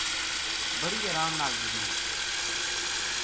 بڑی ارام نال گزری